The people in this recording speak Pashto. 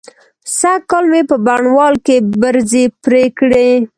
سږکال مې په بڼوال کې برځې پرې کړې.